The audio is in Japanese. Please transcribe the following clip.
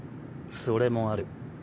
それもある。